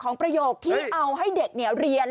ของประโยคที่เอาให้เด็กเนี่ยเรียน